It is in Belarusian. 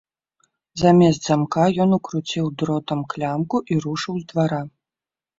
Замест замка ён укруціў дротам клямку і рушыў з двара.